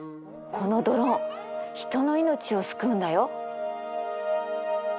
このドローン人の命を救うんだよ。